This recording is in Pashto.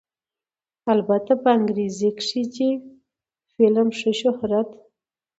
البته په انګرېزۍ کښې دې فلم ښۀ شهرت